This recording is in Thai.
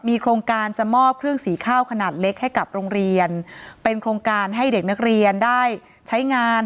โครงการจะมอบเครื่องสีข้าวขนาดเล็กให้กับโรงเรียนเป็นโครงการให้เด็กนักเรียนได้ใช้งาน